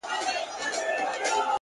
صبر د سختو پړاوونو پُل دی،